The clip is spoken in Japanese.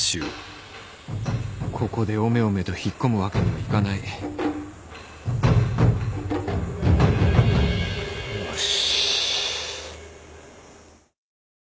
ここでおめおめと引っ込むわけにはいかないよし。